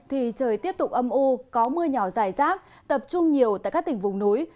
thì trời tiếp tục âm u có mưa nhỏ dài rác tập trung nhiều tại các tỉnh vùng núi